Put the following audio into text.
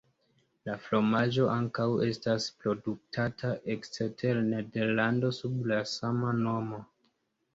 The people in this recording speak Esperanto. La fromaĝo ankaŭ estas produktata ekster Nederlando sub la sama nomo.